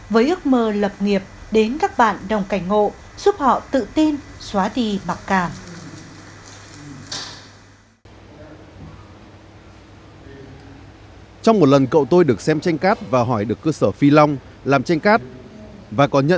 với ước mơ lập nghiệp đến các bạn